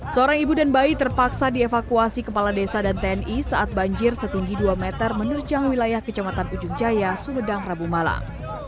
seorang ibu dan bayi terpaksa dievakuasi kepala desa dan tni saat banjir setinggi dua meter menerjang wilayah kecamatan ujung jaya sumedang rabu malam